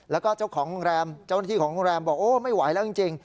แล้วก็เจ้าหน้าที่ของโรงแรมบอกไม่ไหวแล้วจริง